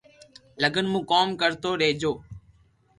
لگن مون ڪوم ڪرتو رھجو